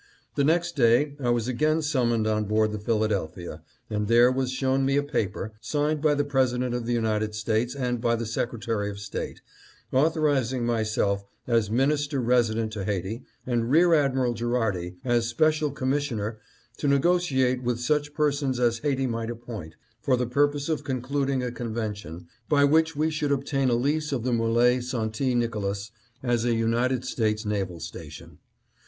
The next day I was again summoned on board the Philadelphia, and there was shown me a paper, signed by the President of the United States and by the Secretary of State, authorizing myself, as Minister Resident to Haiti, and Rear Admiral Gherardi, as special commissioner, to negotiate with such persons as Haiti might appoint, for the purpose of concluding a convention by which we should obtain a lease of the M61e St. Nicolas as a United States naval station.